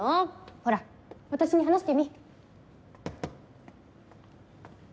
ほら私に話してみ。